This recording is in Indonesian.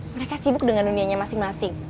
mereka sibuk dengan dunianya masing masing